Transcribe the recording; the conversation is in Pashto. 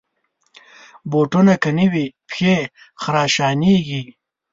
بوټونه که نه وي، پښې خراشانېږي.